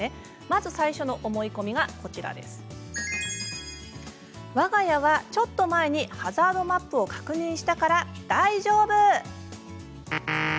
まず最初の思い込みが「わが家はハザードマップを確認したから大丈夫」。